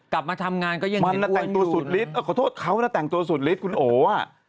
กลับมาทำงานก็ยังไม่ปล่อยอยู่นะมันนะแต่งตัวสุดฤทธิ์ขอโทษเขานะแต่งตัวสุดฤทธิ์คุณโอ๋อ่ะ